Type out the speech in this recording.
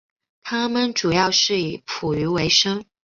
他们主要是以捕鱼维生。